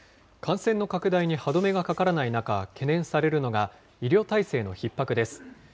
感染の拡大に歯止めがかからない中、懸念されるのが、医療体制のひっ迫です。